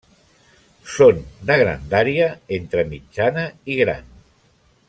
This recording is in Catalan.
Són de grandària entre mitjana i gran.